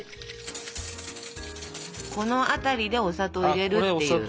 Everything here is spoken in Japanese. この辺りでお砂糖入れるっていう。